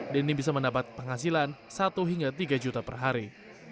denny bisa mendapat penghasilan satu hingga tiga juta per hari